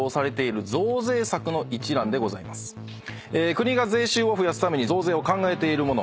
国が税収を増やすために増税を考えているもの。